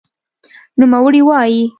نوموړی وایي،